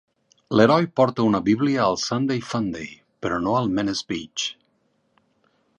L'heroi porta una Bíblia al "Sunday Funday", però no al "Menace Beach".